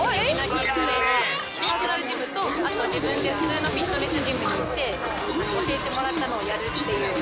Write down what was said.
パーソナルジムとあと自分で普通のフィットネスジムに行って、教えてもらったのをやるっていう。